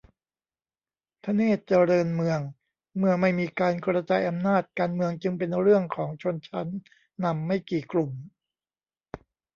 ธเนศวร์ เจริญเมือง : เมื่อไม่มีการกระจายอำนาจ การเมืองจึงเป็นเรื่องของชนชั้นนำไม่กี่กลุ่ม